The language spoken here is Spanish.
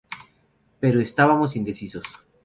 Pero estábamos indecisos.